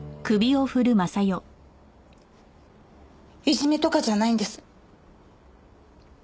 いじめとかじゃないんです。